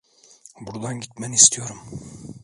Buradan gitmeni istiyorum.